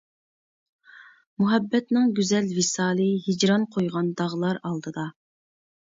مۇھەببەتنىڭ گۈزەل ۋىسالى ھىجران قويغان داغلار ئالدىدا.